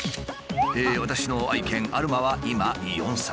私の愛犬アルマは今４歳。